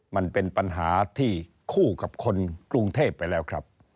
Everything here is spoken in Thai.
มันเป็นปัญหาที่คู่กับคนกรุงเทพไปแล้วครับ